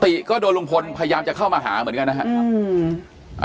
ก็โดนลุงพลพยายามจะเข้ามาหาเหมือนกันนะครับ